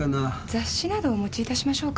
雑誌などお持ち致しましょうか？